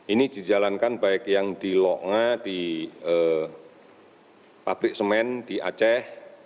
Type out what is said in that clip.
ini dijalankan baik yang di lok nga di pabrik semen di aceh